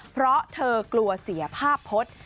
เพราะเธอกลัวเสียภาพพจน์